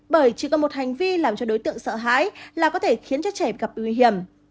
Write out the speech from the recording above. bởi chỉ có một hành vi làm cho đối tượng sợ hãi là có thể khiến cho trẻ gặp nguy hiểm